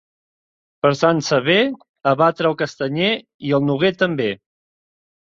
Per Sant Sever, a batre el castanyer i el noguer també.